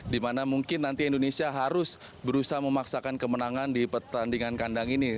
dimana mungkin nanti indonesia harus berusaha memaksakan kemenangan di pertandingan kandang ini